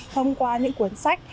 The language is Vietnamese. thông qua những cuốn sách